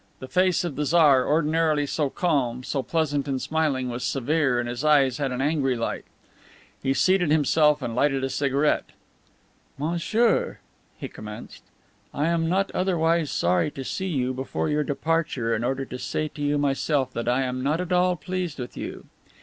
The face of the Tsar, ordinarily so calm, so pleasant, and smiling, was severe, and his eyes had an angry light. He seated himself and lighted a cigarette. "Monsieur," he commenced, "I am not otherwise sorry to see you before your departure in order to say to you myself that I am not at all pleased with you.